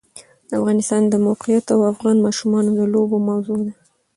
د افغانستان د موقعیت د افغان ماشومانو د لوبو موضوع ده.